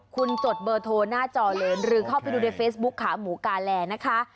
คุณจดเบอร์โทรหน้าจอเลยหรือเข้าไปดูในเฟซบุ๊คขาหมูกาแลนะคะ